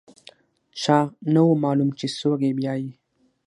چا نه و معلوم چې څوک یې بیايي.